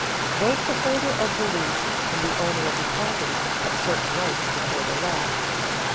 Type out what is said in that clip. Both the holder of the lease and the owner of the property have certain rights before the law.